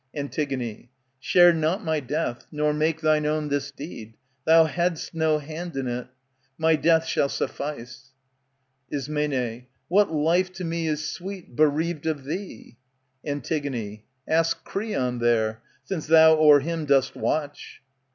Antig, Share not my death, nor make thine own this deed Thou had^st no hand in. My death shall suffice. Ism, What life to me is sweet, bereaved of thee ? Antig, Ask Creon there, since thou o'er him dost watch.